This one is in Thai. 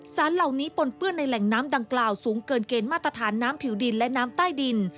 สารเหล่านี้ปนเปื้อนในแหล่งน้ำดังกล่าวสูงเกินเกณฑ์มาตรฐานน้ำผิวดินและน้ำใต้ดิน